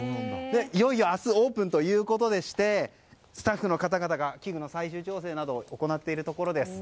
いよいよ明日オープンでスタッフの方々が器具の最終調整などを行っているところです。